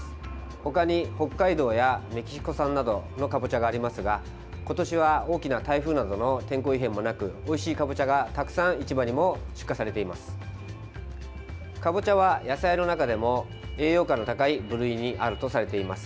ほかに北海道やメキシコ産などのかぼちゃがありますが今年は大きな台風などの天候異変もなくおいしいかぼちゃがたくさん市場にも出荷されています。